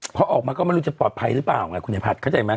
พอออกมาก็ไม่รู้จะปลอดภัยหรือเปล่าไงคุณไอผัดเข้าใจไหม